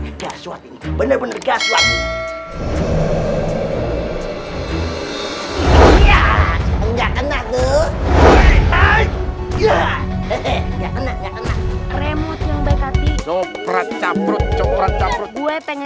enggak enak enggak enak enggak enak remot yang baik hati coba caput coba caput gue pengen